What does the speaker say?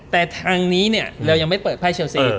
แต่ทางนี้เนี่ยเรายังไม่เปิดไพ่เชลซี